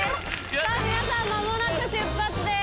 さぁ皆さん間もなく出発です。